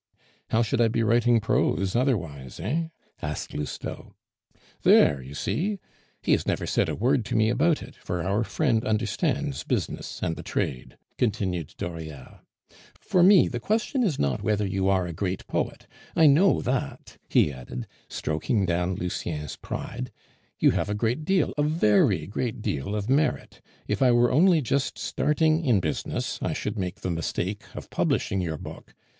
"How should I be writing prose otherwise, eh?" asked Lousteau. "There, you see! He has never said a word to me about it, for our friend understands business and the trade," continued Dauriat. "For me the question is not whether you are a great poet, I know that," he added, stroking down Lucien's pride; "you have a great deal, a very great deal of merit; if I were only just starting in business, I should make the mistake of publishing your book.